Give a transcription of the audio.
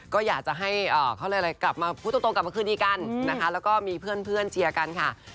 ก็อยากจะให้กลับมาพูดตรงกลับมาคือนี้กัน